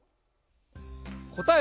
こたえ